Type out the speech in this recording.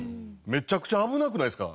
めちゃくちゃ危なくないですか？